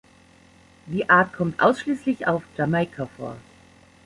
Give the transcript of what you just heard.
Die Art kommt ausschließlich auf Jamaika vor.